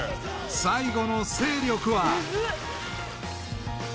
［最後の勢力は］